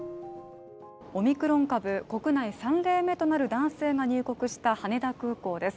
オミクロン株、国内３例目となる男性が入国した羽田空港です。